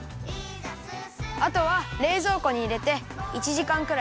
あとはれいぞうこにいれて１じかんくらいかためるよ。